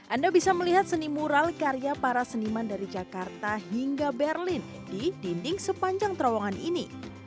anda bisa melihat seni mural karya para seniman dari jakarta hingga berlin di dinding sepanjang terowongan ini